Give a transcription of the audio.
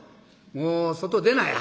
もう外出なや。